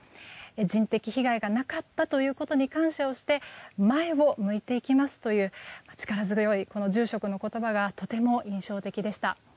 人的被害がなかったということに感謝をして前を向いていきますという力強い住職の言葉がとても印象的でした。